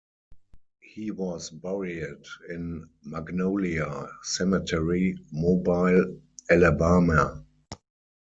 He was buried in Magnolia Cemetery, Mobile, Alabama.